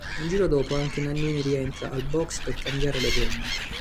Un giro dopo anche Nannini rientra ai box per cambiare le gomme.